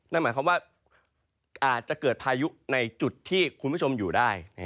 นั่นหมายความว่าอาจจะเกิดพายุในจุดที่คุณผู้ชมอยู่ได้